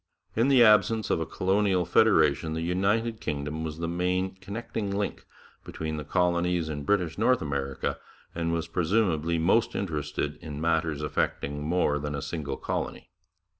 In the absence of a colonial federation the United Kingdom was the main connecting link between the colonies in British North America, and was presumably most interested in matters affecting more than a single colony.